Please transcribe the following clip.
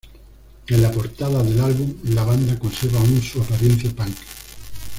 En la portada del álbum la banda conserva aún su apariencia punk.